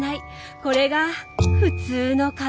これが普通の家庭。